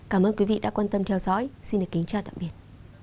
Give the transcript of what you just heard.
cảm ơn quý vị đã quan tâm theo dõi xin kính chào tạm biệt